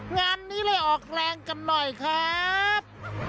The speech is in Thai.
งานนี้เลยออกแรงกันหน่อยครับ